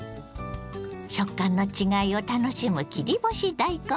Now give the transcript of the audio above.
食感の違いを楽しむ切り干し大根。